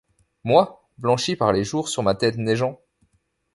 Moi, blanchi par les jours sur ma tête neigeant